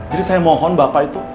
jadi saya mohon bapak itu